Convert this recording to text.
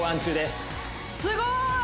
すごい！